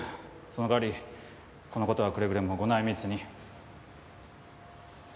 その代わりこの事はくれぐれもご内密に。